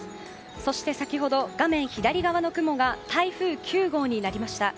そして先ほど、画面左側の雲が台風９号になりました。